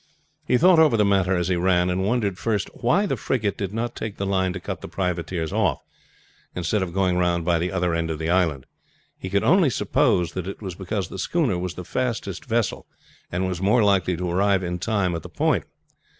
He thought over the matter as he ran, and wondered first why the frigate did not take the line to cut the privateers off, instead of going round by the other end of the island. He could only suppose that it was because the schooner was the fastest vessel, and was more likely to arrive in time at the point.